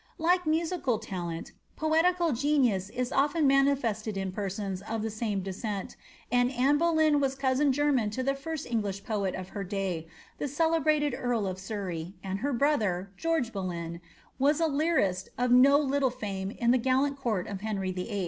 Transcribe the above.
Lake musical talent, poetical gi oAen manifested in persons of the same descent, and Anne Bou cousin german to the first English poet of her day, the celebra of Surrey, and her brother, George Boleyn, was a lyrist of i &me in the gallant court of Henry VI II.